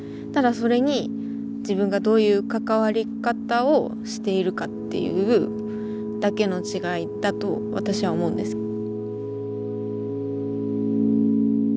ただそれに自分がどういう関わり方をしているかっていうだけの違いだと私は思うんです。